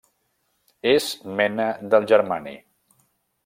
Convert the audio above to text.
És mena del germani.